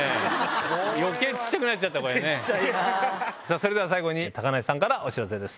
それでは最後に高梨さんからお知らせです。